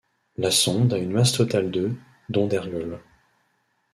La sonde a une masse totale de dont d'ergol.